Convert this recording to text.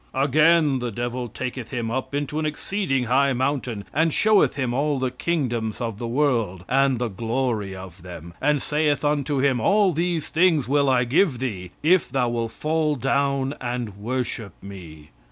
"Again the devil taketh him up into an exceeding high mountain and showeth him all the kingdoms of the world, and the glory of them; "And Saith unto him, All these things will I give thee, if thou will fall down and worship me.